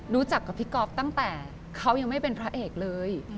รู้จักกับพี่ก๊อฟตั้งแต่เขายังไม่เป็นพระเอกเลย